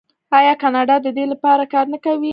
آیا کاناډا د دې لپاره کار نه کوي؟